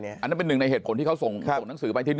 อันนั้นเป็นหนึ่งในเหตุผลที่เขาส่งหนังสือไปที่นี่